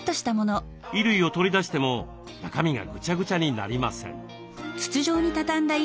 衣類を取り出しても中身がぐちゃぐちゃになりません。